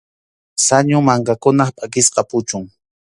Sañu mankakunap pʼakisqa puchun.